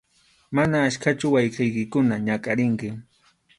Mana achkachu wawqiykikuna ñakʼarinki.